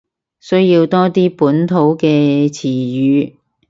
需要多啲本土嘅詞語